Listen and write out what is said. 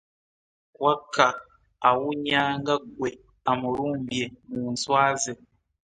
Wakka awunya nga gwe amulumbye mu nswa ze .